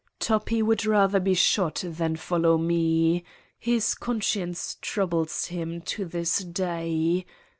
Toppi would rather be shot than follow me: his conscience troubles him to this day.